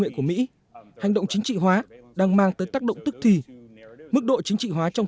nghệ của mỹ hành động chính trị hóa đang mang tới tác động tức thì mức độ chính trị hóa trong